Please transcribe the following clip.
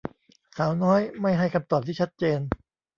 สาวน้อยไม่ให้คำตอบที่ชัดเจน